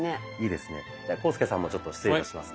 では浩介さんもちょっと失礼いたします。